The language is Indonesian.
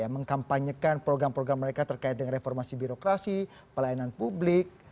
mengkampanyekan program program mereka terkait dengan reformasi birokrasi pelayanan publik